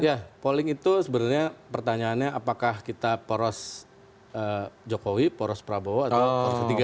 ya polling itu sebenarnya pertanyaannya apakah kita poros jokowi poros prabowo atau poros ketiga